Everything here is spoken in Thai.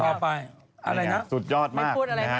เมื่อกี้มาถามเพศโหพูดซะเยอะเจ้า